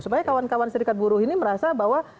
supaya kawan kawan serikat buruh ini merasa bahwa